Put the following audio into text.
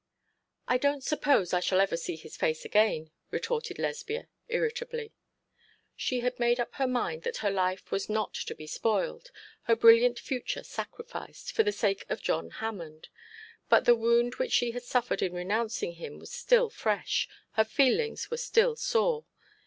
'I don't suppose I shall ever see his face again,' retorted Lesbia, irritably. She had made up her mind that her life was not to be spoiled, her brilliant future sacrificed, for the sake of John Hammond; but the wound which she had suffered in renouncing him was still fresh, her feelings were still sore.